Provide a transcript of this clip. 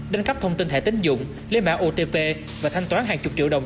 đánh cắp thông tin thẻ tín dụng lê mã otp và thanh toán hàng chục triệu đồng